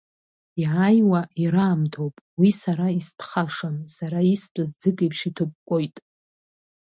Иааиуа ираамҭоуп, уи сара истәхашам, сара истәыз ӡык еиԥш иҭыкәкәоит.